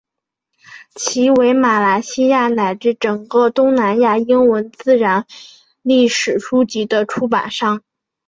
其为马来西亚乃至整个东南亚英文及自然历史书籍的出版商。